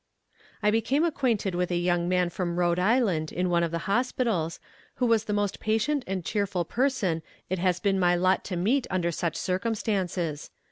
I became acquainted with a young man from Rhode Island in one of the hospitals, who was the most patient and cheerful person it has been my lot to meet under such circumstances.